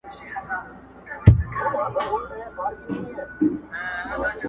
نور څه نه لرم خو ځان مي ترې قربان دی-